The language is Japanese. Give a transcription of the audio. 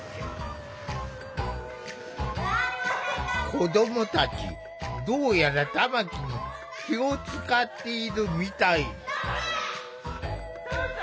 子どもたちどうやら玉木に気を遣っているみたい。